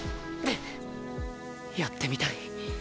やってみたい。